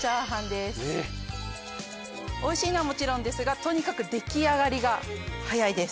おいしいのはもちろんですがとにかく出来上がりが早いです。